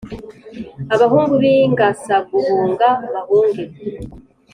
abahungu b’ingasaguhunga bahunguke